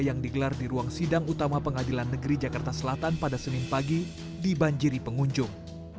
yang digelar di ruang sidang utama pengadilan negeri jakarta selatan pada senin pagi dibanjiri pengunjung